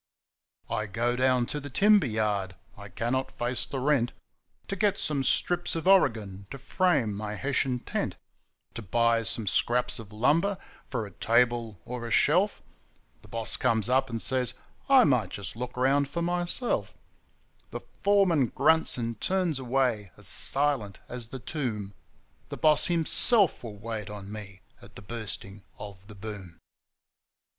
I go down to the timber yard (I cannot face the rent) To get some strips of oregon to frame my hessian tent; To buy some scraps of lumber for a table or a shelf: The boss comes up and says I might just look round for myself; The foreman grunts and turns away as silent as the tomb The boss himself will wait on me at the Bursting of the Boom.